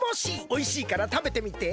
おいしいからたべてみて。